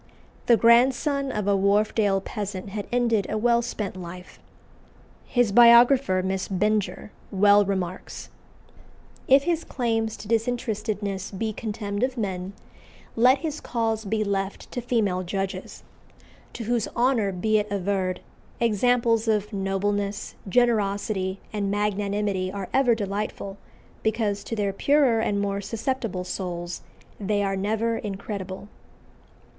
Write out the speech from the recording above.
The grandson of a Wharfdale peasant had ended a well spent life. His biographer, Miss Benger, well remarks: "If his claims to disinterestedness be contemned of men, let his cause be (left) to female judges, to whose honour be it averred, examples of nobleness, generosity and magnanimity are ever delightful, because to their purer and more susceptible souls they are (never) incredible."